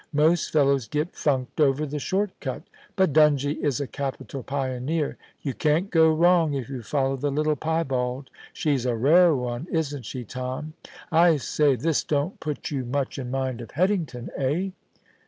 Most fellows get funked over the short cut But Dungie is a capital pioneer. You can't go wrong if you follow the little piebald. She's a rare one, isn't she, Tom ? I say, this don't put you much in mind of Headington, eh